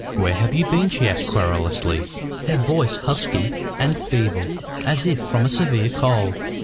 "Where have you been?" she asked querulously, her voice husky and feeble, as if from a severe cold.